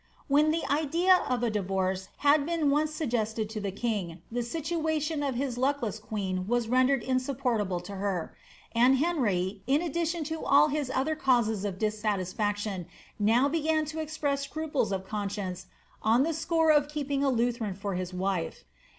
When the idea of a divorce had been once suggested to the king, the lituatioa of his luckless queen was rendered insupportable to her \ and Henry* in addition to all his other causes of dissatisfaction, now began to express scruples of conscience on the score of keeping a Lutheran for his wife.